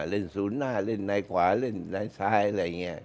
เล่นศูนย์หน้าเล่นรายขวาเล่นรายซ้ายอะไรอย่างเงี้ย